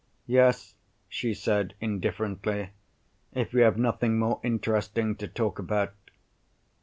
"Yes," she said, indifferently, "if you have nothing more interesting to talk about."